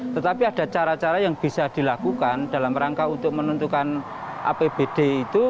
tetapi ada cara cara yang bisa dilakukan dalam rangka untuk menentukan apbd itu